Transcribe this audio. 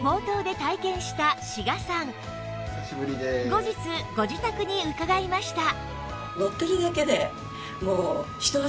後日ご自宅に伺いました